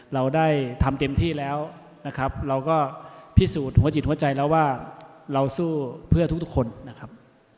เราได้ทำเต็มที่แล้วนะครับเราก็พิสูจน์หัวจิตหัวใจแล้วว่าเราสู้เพื่อทุกคนนะครับ